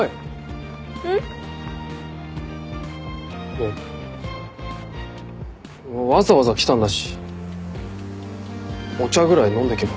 いやわざわざ来たんだしお茶ぐらい飲んでけば？